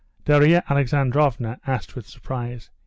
Darya Alexandrovna asked with surprise.